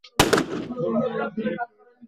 তবে এ বর্জননীতি বেশিদিন টিকিয়ে রাখা যায় নি।